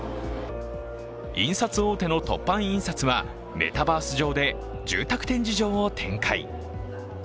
印刷大手の凸版印刷はメタバース上で住宅展示場を展開。